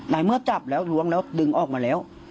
ในเมื่อจับแล้วล้วงแล้วดึงออกมาแล้ว